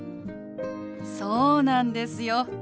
そうなんですよ。